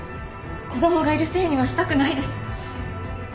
子供がいるせいにはしたくないです。